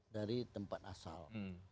dari tempat asal